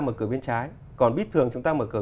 mở cửa bên trái còn biết thường chúng ta mở cửa